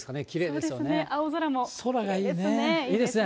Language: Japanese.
空がいいですね。